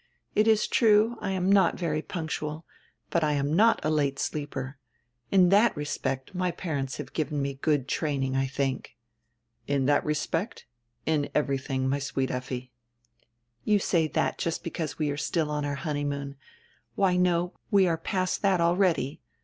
It is true, I am not very punctual, but I am not a late sleeper. In that respect my parents have given me good training, I diink." "In diat respect? In everything, my sweet Effi." "You say diat just because we are still on our honey moon — why no, we are past diat already.